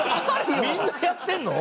みんなやってるの？